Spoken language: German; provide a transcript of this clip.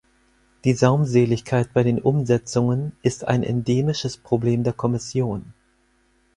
Die Saumseligkeit bei den Umsetzungen ist ein endemisches Problem der Kommission.